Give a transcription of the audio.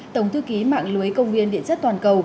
tổng thư ký mạng lưới công viên địa chất toàn cầu